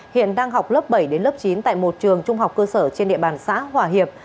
hiện đang học lớp bảy đến lớp chín tại một trường trung học cơ sở trên địa bàn xã hòa hiệp